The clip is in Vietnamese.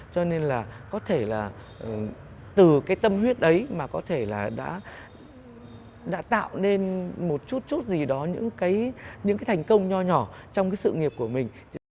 cho nên là có thể là từ cái tâm huyết đấy mà có thể là đã tạo nên một chút chút gì đó những cái thành công nhỏ nhỏ trong cái sự nghiệp của mình